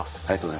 はい。